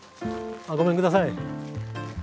ごめんください。